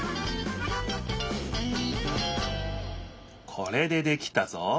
これでできたぞ。